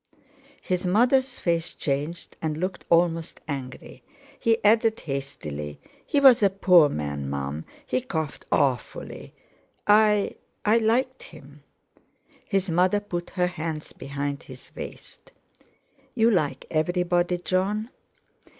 His mother's face changed, and looked almost angry. He added hastily: "He was a poor man, Mum; he coughed awfully; I—I liked him." His mother put her hands behind his waist. "You like everybody, Jon?"